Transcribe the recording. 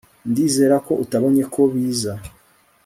ndizera ko utabonye ko biza